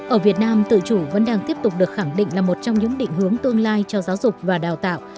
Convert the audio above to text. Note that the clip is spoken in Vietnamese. ở việt nam tự chủ vẫn đang tiếp tục được khẳng định là một trong những định hướng tương lai cho giáo dục và đào tạo